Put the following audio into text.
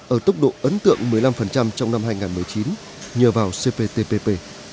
ở tốc độ ấn tượng một mươi năm trong năm hai nghìn một mươi chín nhờ vào cptpp